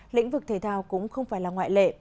lĩnh vực thể thao cũng không phải là ngoại lệ